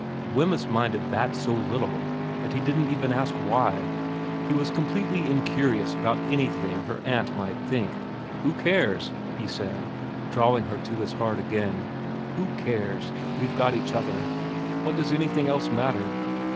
Wemyss minded that so little that he didn't even ask why. He was completely incurious about anything her DC VERA 93 aunt might think. ' Who cares ?' he said, drawing her to his heart again. * Who cares ? We've got each other. What does anything else matter